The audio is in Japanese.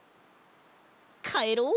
かえろう。